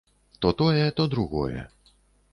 То тое, то другое.